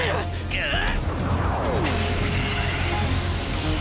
ぐっ！